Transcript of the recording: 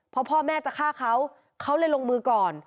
เพราะพ่อแม่จะฆ่าเขาเขาเลยลงมือก่อน